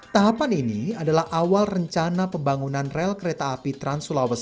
tahapan ini adalah awal rencana pembangunan rel kereta api trans sulawesi